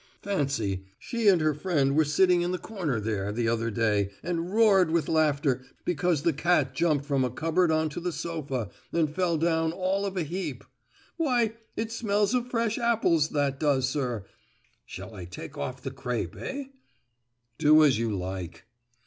Fancy, she and her friend were sitting in the corner there, the other day, and roared with laughter because the cat jumped from a cupboard on to the sofa, and fell down all of a heap. Why, it smells of fresh apples, that does, sir. Shall I take off the crape, eh?" "Do as you like!"